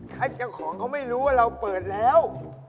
ถ้าเจ้าของเขาไม่รู้ว่าเราเปิดแล้ว